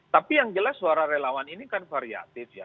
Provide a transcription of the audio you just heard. tapi yang jelas suara relawan ini kan variatif ya